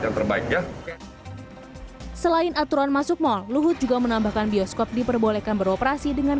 yang terbaik ya selain aturan masuk mall luhut juga menambahkan bioskop diperbolehkan beroperasi dengan